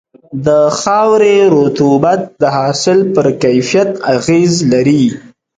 د خاورې رطوبت د حاصل پر کیفیت اغېز لري.